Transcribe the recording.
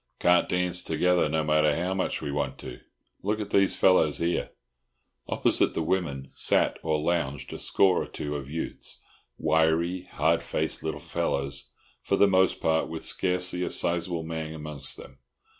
"Can't dance together, no matter how much we want to. Look at these fellows here." Opposite the women sat or lounged a score or two of youths—wiry, hard faced little fellows, for the most part, with scarcely a sizeable man amongst them.